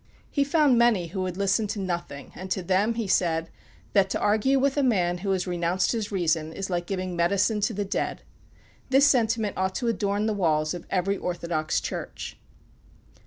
'" He found many who would listen to nothing, and to them he said, "That to argue with a man who has renounced his reason is like giving medicine to the dead." This sentiment ought to adorn the walls of every orthodox church.